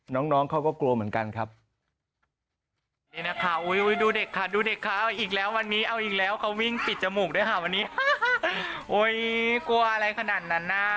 น้องเขาก็กลัวเหมือนกันครับ